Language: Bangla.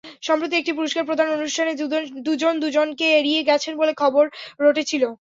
সম্প্রতি একটি পুরস্কার প্রদান অনুষ্ঠানে দুজন দুজনকে এড়িয়ে গেছেন বলে খবর রটেছিল।